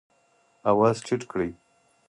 آواز ټیټ کړئ